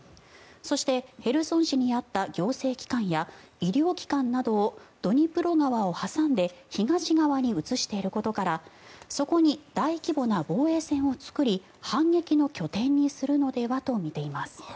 そしてヘルソン市にあった行政機関や医療機関などをドニプロ川を挟んで東側に移していることからそこに大規模な防衛線を作り反撃の拠点にするのではとみています。